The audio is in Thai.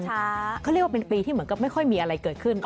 เขาเรียกว่าเป็นปีที่เหมือนกับไม่ค่อยมีอะไรเกิดขึ้น